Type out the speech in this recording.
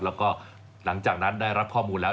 แล้วก็หลังจากนั้นได้รับข้อมูลแล้ว